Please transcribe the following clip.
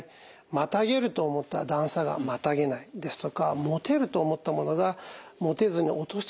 またげると思った段差がまたげないですとか持てると思ったものが持てずに落としてしまう。